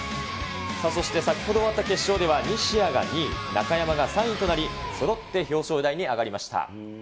そして先ほど終わった決勝では、西矢が２位、中山が３位となり、そろって表彰台に上がりました。